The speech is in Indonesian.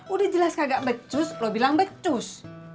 udah jelas kagak becus lo bilang becus